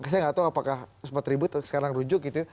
saya nggak tahu apakah sempat ribut sekarang rujuk gitu ya